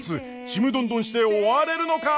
ちむどんどんして終われるのか！？